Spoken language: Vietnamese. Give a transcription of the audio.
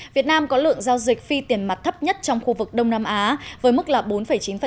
việt nam có lượng giao dịch phi tiền mặt thấp nhất trong khu vực đông nam á với mức là bốn chín